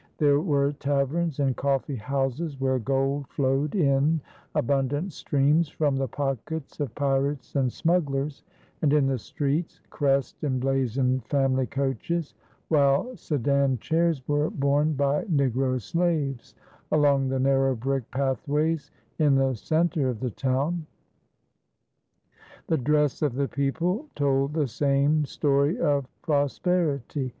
There were taverns and coffee houses where gold flowed in abundant streams from the pockets of pirates and smugglers, and in the streets crest emblazoned family coaches, while sedan chairs were borne by negro slaves along the narrow brick pathways in the center of the town. The dress of the people told the same story of prosperity.